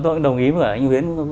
tôi cũng đồng ý với anh nguyễn